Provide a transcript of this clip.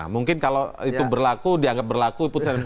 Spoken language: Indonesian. mungkin kalau itu berlaku dianggap berlaku